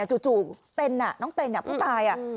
จู่น้องเต็นน่ะผู้ตาย